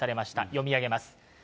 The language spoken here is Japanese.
読み上げます。